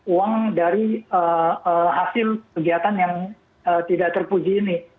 uang dari hasil kegiatan yang tidak terpuji ini